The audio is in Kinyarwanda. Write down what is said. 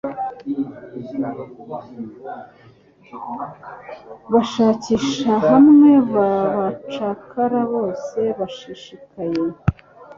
Bashakisha hamwe nabacakara bose bashishikaye